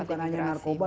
bukan hanya narkoba